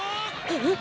あっ！